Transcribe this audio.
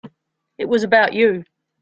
It was about you.